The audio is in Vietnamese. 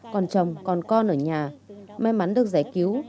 còn chồng còn con ở nhà may mắn được giải cứu